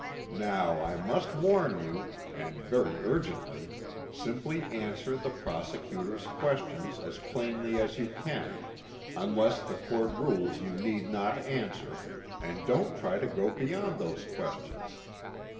Now I must warn you, and very urgently: simply answer the prosecutor's questions as plainly as you can, unless the Court rules you need not answer, and don't try to go beyond those questions.